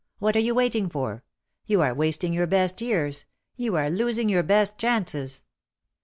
"What are you waiting for? You are wasting your best years. You are losing your best chances.'